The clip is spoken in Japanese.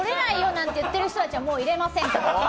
なんって言ってる人たちはもう入れませんから。